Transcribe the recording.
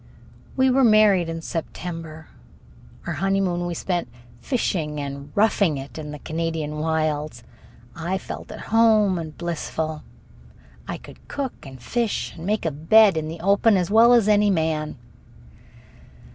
We were married in September. Our honeymoon we spent fishing and "roughing it" in the Canadian wilds. I felt at home and blissful. I could cook and fish and make a bed in the open as well as any man.